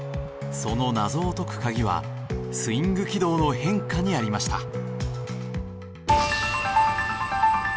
その謎を解く鍵はスイング軌道の変化にありました。